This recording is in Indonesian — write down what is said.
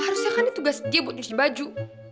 harusnya kan ini tugas dia buat cuci baju